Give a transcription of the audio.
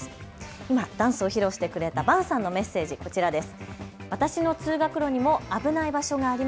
今ダンスを披露してくれた坂さんのメッセージ、こちらです。